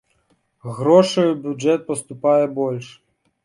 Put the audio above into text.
Грошай у бюджэт паступае больш.